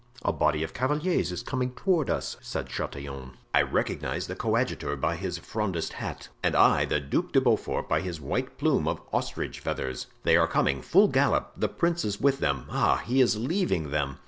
"A body of cavaliers is coming toward us," said Chatillon. "I recognize the coadjutor by his Frondist hat." "And I the Duc de Beaufort by his white plume of ostrich feathers." "They are coming, full gallop; the prince is with them—ah! he is leaving them!"